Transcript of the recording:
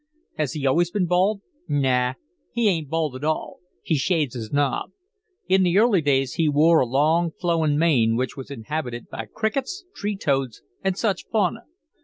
"Has he always been bald?" "Naw! He ain't bald at all. He shaves his nob. In the early days he wore a long flowin' mane which was inhabited by crickets, tree toads, and such fauna.